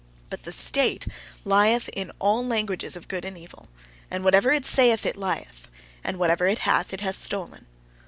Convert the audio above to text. But the state lieth in all languages of good and evil; and whatever it saith it lieth; and whatever it hath it hath stolen.